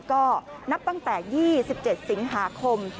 ก็นับตั้งแต่๒๗สิงหาคม